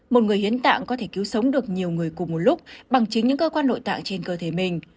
một người hiến tạng có thể cứu sống được nhiều người cùng một lúc bằng chính những cơ quan nội tạng trên cơ thể mình